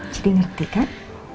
jadi ngerti kan